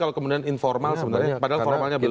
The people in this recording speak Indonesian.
kalau kemudian informal sebenarnya padahal formalnya belum